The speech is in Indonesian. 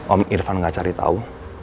om irfan gak cari tahu